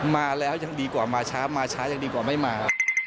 มาแล้วยังดีกว่ามาช้ามาช้ายังดีกว่าไม่มา